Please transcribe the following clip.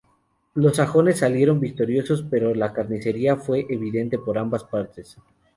Los sajones salieron victoriosos pero la carnicería fue evidente por ambas partes.